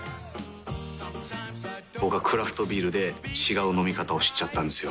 僕はクラフトビールで違う飲み方を知っちゃったんですよ。